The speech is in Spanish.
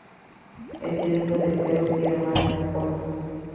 Es el hijo de Zeus y hermano de Apolo.